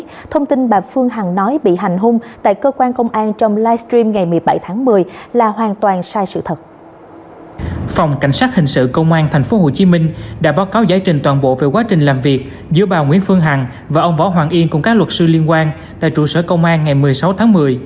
công an tp hcm đã báo cáo giải trình toàn bộ về quá trình làm việc giữa bà nguyễn phương hằng và ông võ hoàng yên cùng các luật sư liên quan tại trụ sở công an ngày một mươi sáu tháng một mươi